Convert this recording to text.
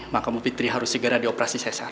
maka bu fitri harus segera dioperasi sesar